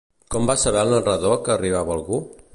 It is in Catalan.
Com va saber el narrador que arribava algú?